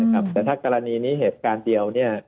แต่ถ้ากรณีนี้เหตุการณ์เดียว